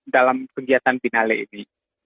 dalam kegiatan biennale ini